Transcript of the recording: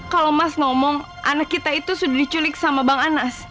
kalau mas ngomong anak kita itu sudah diculik sama bang anas